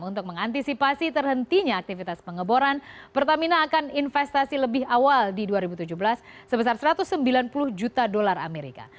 untuk mengantisipasi terhentinya aktivitas pengeboran pertamina akan investasi lebih awal di dua ribu tujuh belas sebesar satu ratus sembilan puluh juta dolar amerika